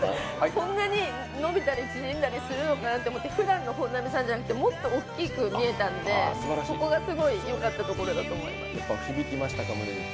こんなに伸びたり縮んだりするのかなと思って、ふだんの本並さんじゃなくてもっとおっきく見えたんでそこがすごいよかったところだと思います。